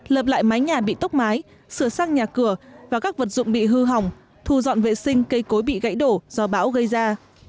lập lại mái nhà bị tốc mái sửa sang nhà cửa và các vật dụng bị hư hỏng thu dọn vệ sinh cây cối bị gãy đổ do bão gây ra